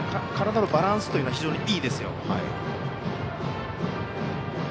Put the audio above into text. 体のバランスというのは非常にいいです。